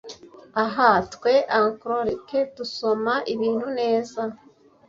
Ah! twe ankorite dusoma ibintu neza,